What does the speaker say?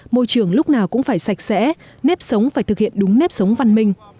môi trường lúc nào cũng phải sạch sẽ nếp sống phải thực hiện đúng nếp sống văn minh